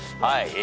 はい。